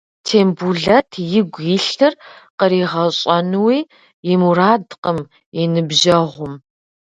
Тембулэт игу илъыр къригъэщӏэнуи и мурадкъым и ныбжьэгъум.